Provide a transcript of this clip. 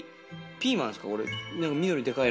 ピーマンですか？